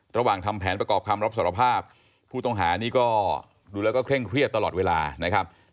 ทำแผนประกอบคำรับสารภาพผู้ต้องหานี่ก็ดูแล้วก็เคร่งเครียดตลอดเวลานะครับ